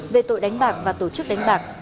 về tội đánh bạc và tổ chức đánh bạc